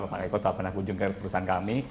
pak eko tak pernah kunjung ke perusahaan kami